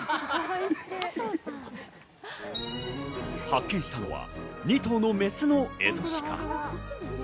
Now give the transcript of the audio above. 発見したのは２頭のメスのエゾシカ。